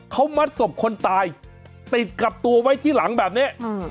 เขามัดศพคนตายติดกับตัวไว้ที่หลังแบบนี้